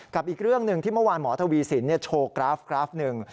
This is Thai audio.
อีกเรื่องหนึ่งที่เมื่อวานหมอทวีสินโชว์กราฟราฟหนึ่ง